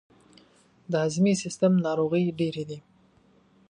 د هضمي سیستم ناروغۍ ډیرې دي.